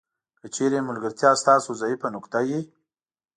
که چیرې ملګرتیا ستاسو ضعیفه نقطه وي.